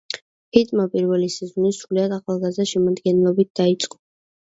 ჰიტმა პირველი სეზონი სრულიად ახალგაზრდა შემადგენლობით დაიწყო.